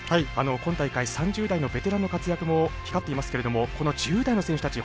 今大会３０代のベテランの活躍も光っていますけれどもこの１０代の選手たち